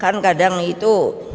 kan kadang itu